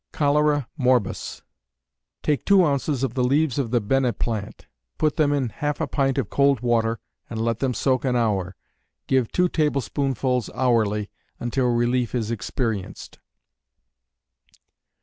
Cholera Morbus. Take two ounces of the leaves of the bene plant, put them in half a pint of cold water and let them soak an hour. Give two tablespoonfuls hourly, until relief is experienced.